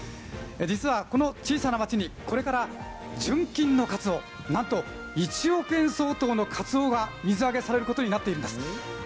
実はこの小さな町に、これから純金のかつお、なんと１億円相当のかつおが水揚げされることになっているんです。